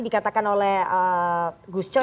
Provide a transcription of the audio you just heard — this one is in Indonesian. dikatakan oleh gus coy